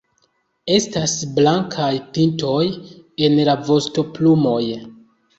Estas blankaj pintoj en la vostoplumoj.